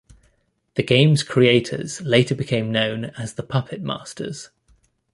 The game's creators later became known as the "Puppetmasters".